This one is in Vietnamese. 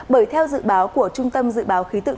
bởi theo dự báo của trung tâm dự báo khí tượng